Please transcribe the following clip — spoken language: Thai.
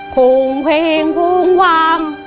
โครงเพลงโค้งวาง